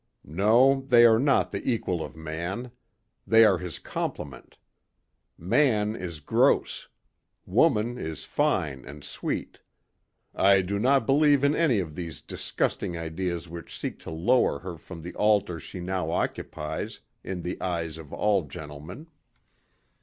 No, they are not the equal of man. They are his complement. Man is gross. Woman is fine and sweet. I do not believe in any of these disgusting ideas which seek to lower her from the altar she now occupies in the eyes of all gentlemen."